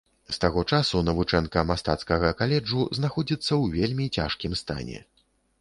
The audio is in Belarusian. З таго часу навучэнка мастацкага каледжу знаходзіцца ў вельмі цяжкім стане.